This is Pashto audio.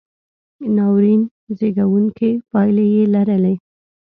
ناورین زېږوونکې پایلې یې لرلې.